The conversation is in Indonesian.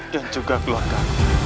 dan juga keluarga